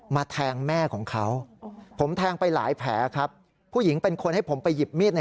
แทงแม่ของเขาผมแทงไปหลายแผลครับผู้หญิงเป็นคนให้ผมไปหยิบมีดใน